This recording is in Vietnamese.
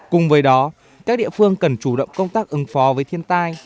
cùng với đó các địa phương cần chủ động công tác ứng phó với thiên tai